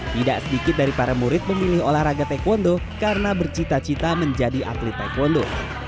tidak sedikit dari para murid memilih olahraga taekwondo karena bercita cita menjadi atlet taekwondo